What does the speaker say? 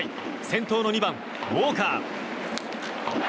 先頭の２番、ウォーカー。